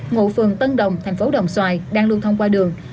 ngụ phường tân đồng thành phố đồng xoài đang lưu thông qua đường